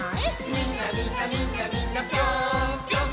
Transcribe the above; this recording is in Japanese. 「みんなみんなみんなみんなぴょーんぴょん」